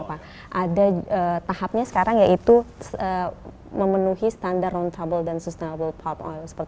ada tahapnya sekarang yaitu memenuhi standar round trouble dan sustainable palm oil